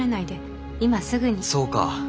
そうか。